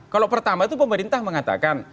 kalau pertama itu pemerintah mengatakan